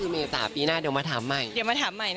เดี๋ยวมาถามใหม่